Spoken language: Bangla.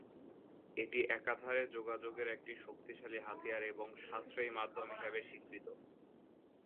এটি একাধারে যোগাযোগের একটি শক্তিশালী হাতিয়ার এবং সাশ্রয়ী মাধ্যম হিসেবে স্বীকৃত।